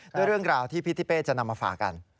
ด้วยเรื่องราวที่พี่ทิเป้จะนำมาฝากกัน